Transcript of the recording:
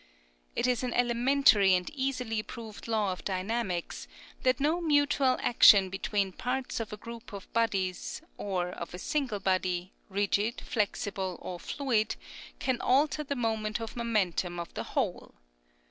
It is an elementary and easily proved law of dynamics that no mutual action between parts of a group of bodies, or of a single body, rigid, flexible, or fluid, can alter the moment of momentum of the whole.